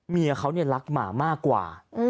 เมียเขารักหมามากกว่า